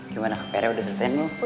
gimana ka pere udah selesain dulu